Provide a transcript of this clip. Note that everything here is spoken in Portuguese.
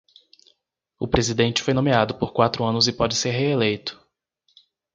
O presidente foi nomeado por quatro anos e pode ser reeleito.